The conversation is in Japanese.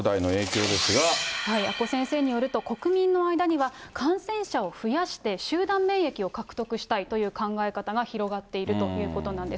阿古先生によると、国民の間には感染者を増やして、集団免疫を獲得したいという考え方が広がっているということなんです。